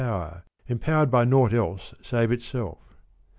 '^' power, empowered .by nought else save itself.